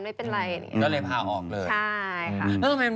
แล้วก็ตั๋ม